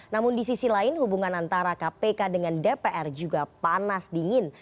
namun di sisi lain hubungan antara kpk dengan dpr juga panas dingin